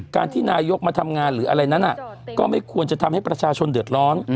ที่นายกมาทำงานหรืออะไรนั้นก็ไม่ควรจะทำให้ประชาชนเดือดร้อน